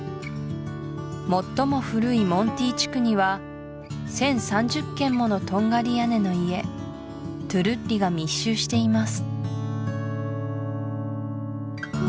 最も古いモンティ地区には１０３０軒ものトンガリ屋根の家トゥルッリが密集しています